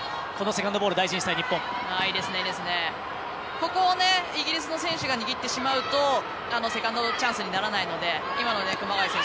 ここをイギリスの選手が握ってしまうとセカンドチャンスにならないので今の熊谷選手